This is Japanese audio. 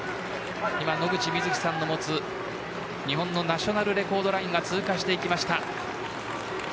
野口みずきさんの持つ日本のナショナルレコードラインを通過しました。